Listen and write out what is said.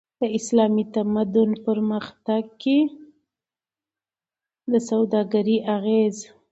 د اسلامي تمدن په پرمختګ کی د سوداګری اغیز